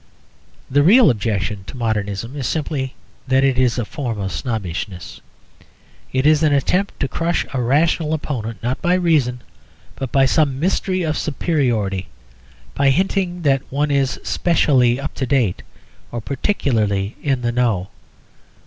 The real objection to modernism is simply that it is a form of snobbishness. It is an attempt to crush a rational opponent not by reason, but by some mystery of superiority, by hinting that one is specially up to date or particularly "in the know."